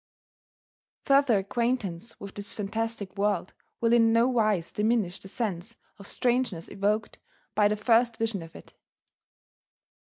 Further acquaintance with this fantastic world will in nowise diminish the sense of strangeness evoked by the first vision of it.